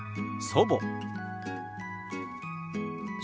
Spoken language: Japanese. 祖母。